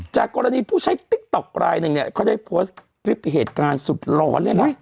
จากกรณีผู้ใช้ติ๊กต๊อกลายหนึ่งเนี่ยเขาได้โพสต์คลิปเหตุการณ์สุดร้อนเลยนะ